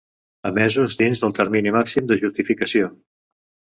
Emesos dins del termini màxim de justificació.